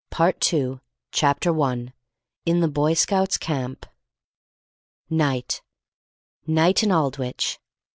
Part Two Chapter 1 IN THE BOY SCOUTS' CAMP Night! Night in Aldwych!